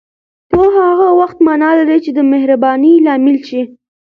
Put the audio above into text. پوهه هغه وخت معنا لري چې دمهربانۍ لامل شي